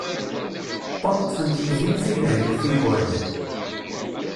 Tom ṭṭfen-t yeznuzay lehyuf i igerdan.